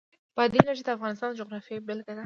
بادي انرژي د افغانستان د جغرافیې بېلګه ده.